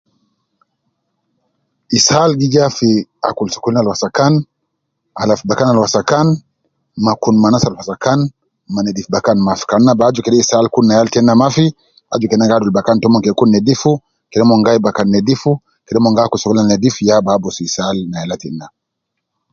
Ishal gi ja fi akul sokolin al waskan, alab fi bakan al waskan ma kun ma anas al waskan ma nedif bakan Mafi, kan na bi aju ke ishal kun ne yal tena Mafi aju kena gi adul bakan tomon ke gi kun nedifu, kede mon gai bakan nedifu, kede mon akul sokolin ab nedif ya bi abus ishal na yala tena